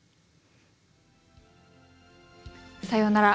さようなら。